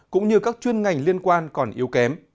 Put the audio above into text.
cũng như các chuyên ngành liên quan còn yếu kém